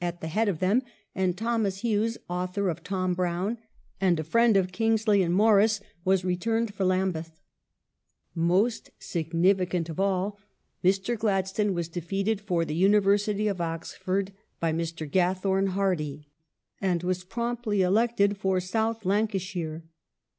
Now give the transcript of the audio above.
p. 63, 334 THE RULE OF LORD PALMERSTON [1860 head of them ; and Thomas Hughes, author of Tom Brown, and a friend of Kingsley and Maurice, was returned for Lambeth. Most significant of all : Mr. Gladstone was defeated for the Uni versity of Oxford by Mr. Gathorne Hardy, and was promptly elected for South Lancashire.